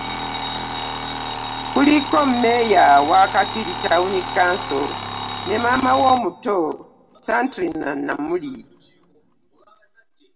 Kuliko Mmeeya wa Kakiri Town Council ne maama we omuto Santrina Namuli